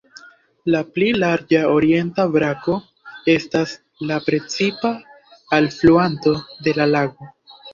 La pli larĝa orienta brako estas la precipa alfluanto de la lago.